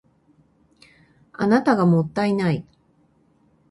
あなたがもったいない